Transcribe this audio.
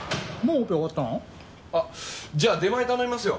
あっじゃあ出前頼みますよ。